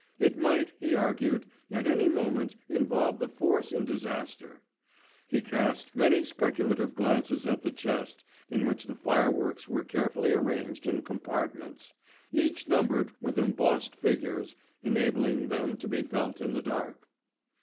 It might, he argued, at any moment involve the force in disaster. He cast many speculative glances at the chest in which the fireworks were carefully arranged in compartments, each numbered with embossed figures, enabling them to be felt in the dark.